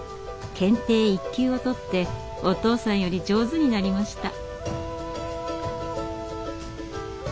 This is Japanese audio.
検定１級を取ってお父さんより上手になりました。